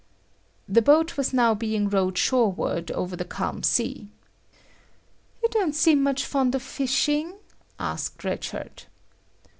The boat was now being rowed shore ward over the calm sea. "You don't seem much fond of fishing," asked Red Shirt.